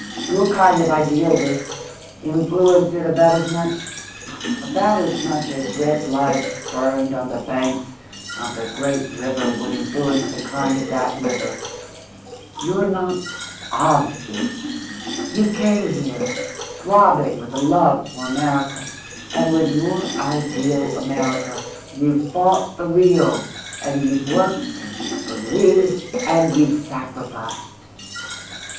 Your kind of idealists influence it about as much about as much as red lights burned on the banks of the great river would influence the current of that river. You're not of it. You came here, throbbing with the love for America; and with your ideal America you've fought the real, and you've worked and you've believed and you've sacrificed.